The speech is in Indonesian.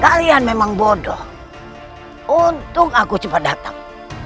kalian memang bodoh untuk aku cepat datang